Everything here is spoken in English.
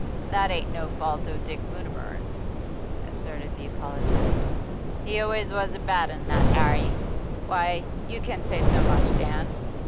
'That ain't no fault o' Dick Mutimer's,' asserted the apologist. 'He always was a bad 'un, that 'Arry. Why, you can say so much, Dan?